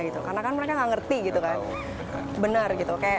karena kan mereka nggak ngerti benar